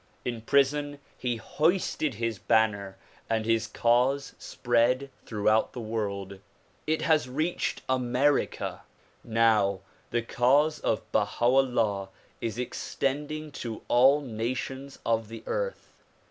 In prison he hoisted his banner and his cause spread throughout the world. It has reached America. Now the cause of Baha 'Ullah is extending to all nations of the earth.